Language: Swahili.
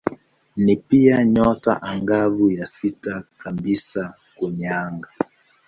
Ni pia nyota angavu ya sita kabisa kwenye anga.